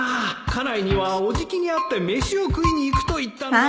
家内にはおじきに会って飯を食いに行くと言ったんだ